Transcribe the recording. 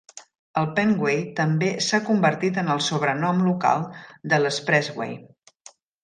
El Penway també s'ha convertit en el sobrenom local de l'Expressway.